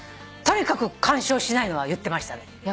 とにかく干渉しないのは言ってましたね。